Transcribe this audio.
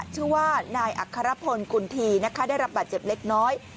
ชื่อว่านายอัครพลกุลทีนะคะได้รับบาดเจ็บเล็กน้อย